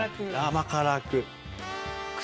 甘辛く。